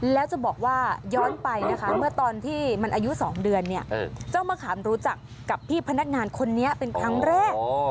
แล้วจะบอกว่าย้อนไปนะคะเมื่อตอนที่มันอายุ๒เดือนเนี่ยเจ้ามะขามรู้จักกับพี่พนักงานคนนี้เป็นครั้งแรก